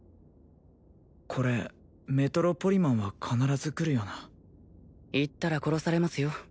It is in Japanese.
これメトロポリマンは必ず来るよな行ったら殺されますよ